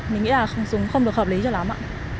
mình nghĩ là không được hợp lý cho lắm ạ